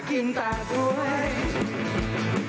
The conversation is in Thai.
จิงแววมันจะโฟย์จิงแววมันจะโฟย์